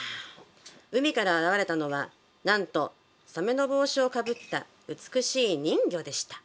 海から現れたのはなんとサメの帽子をかぶった美しい人魚でした。